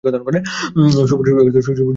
শুভ সন্ধ্যা, স্যার।